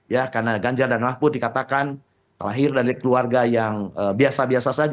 ya karena ganjar dan mahfud dikatakan kelahir dari keluarga yang biasa biasa saja